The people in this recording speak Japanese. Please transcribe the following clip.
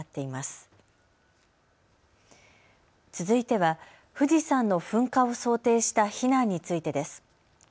続いては富士山の噴火を想定した避難についてです。